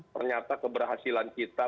ternyata keberhasilan kita